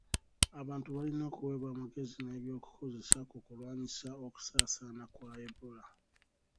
Abantu balina okuwebwa amagezi n'ebyokukozesa ku kulwanyisa okusaasaana kwa Ebola.